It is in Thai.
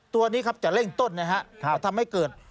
ตัวนี้ครับจะเร่งต้นนะครับจะทำให้เกิด